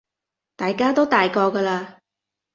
大家都大個㗎喇